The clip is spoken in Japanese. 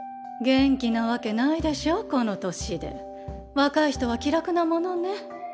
若い人は気楽なものね。